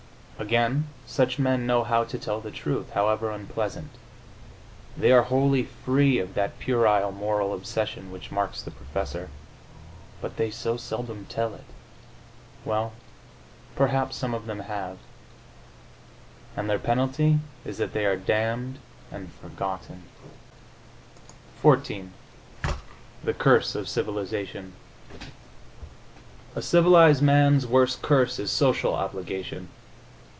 Again, such men know how to tell the truth, however unpleasant; they are wholly free of that puerile moral obsession which marks the professor.... But they so seldom tell it! Well, perhaps some of them have and their penalty is that they are damned and forgotten. XIV THE CURSE OF CIVILIZATION A civilized man's worst curse is social obligation.